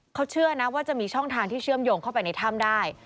เขาเชื่อนะว่าจะมีช่องทางที่เชื่อมโยงเข้าไปในถ้ำได้